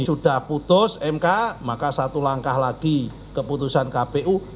sudah putus mk maka satu langkah lagi keputusan kpu